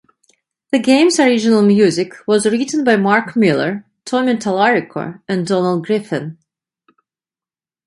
The game's original music was written by Mark Miller, Tommy Tallarico, and Donald Griffin.